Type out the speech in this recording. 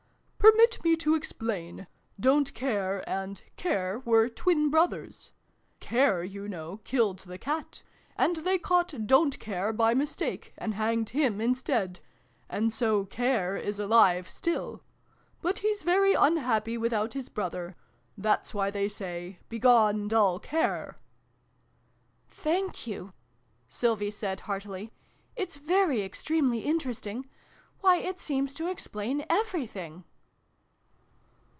" Permit me to explain. ' Don't care ' and ' Care' were twin brothers. ' Care,' you know, killed the Cat. And they caught ' Don't care ' by mistake, and hanged him instead. And so ' Care ' is alive still. But he's very unhappy without his brother. That's why they say ' Begone, dull Care !'"" Thank you !" Sylvie said, heartily. " It's very extremely interesting. Why, it seems to explain everything!"